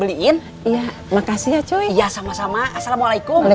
pokoknya mau ngambil tes sama laptop dulu